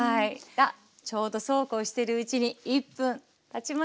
あっちょうどそうこうしてるうちに１分たちました。